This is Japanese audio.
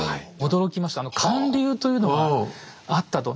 驚きました還流というのがあったと。